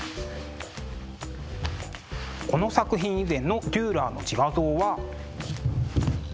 この作品以前のデューラーの自画像は。